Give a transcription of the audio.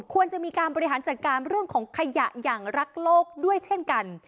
ควรจะมีการบริหารจัดการเรื่องของขยะอย่างรักโลกด้วยเช่นกัน